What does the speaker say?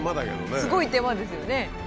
すごい手間ですよね。